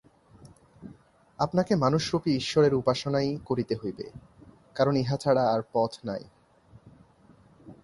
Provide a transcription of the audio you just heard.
আপনাকে মানুষরূপী ঈশ্বরের উপাসনাই করিতে হইবে, কারণ ইহা ছাড়া আর পথ নাই।